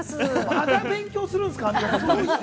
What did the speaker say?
まだ勉強するんですか？